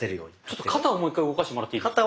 ちょっと肩をもう一回動かしてもらっていいですか？